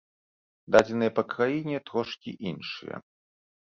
Дадзеныя па краіне трошкі іншыя.